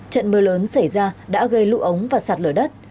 trận mưa lớn xảy ra đã gây lũ ống và sạt lở đất